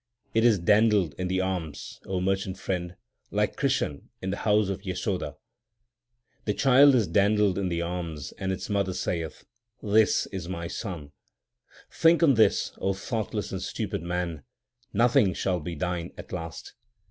It is dandled in the arms, O merchant friend, like Krishan in the house of Yasodha. The child is dandled in the arms, and its mother saith, * This is my son. Think on this, O thoughtless and stupid man, 1 nothing shall be thine at last.